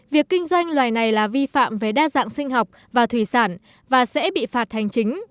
việc kinh doanh loài này là vi phạm về đa dạng sinh học và thủy sản và sẽ bị phạt hành chính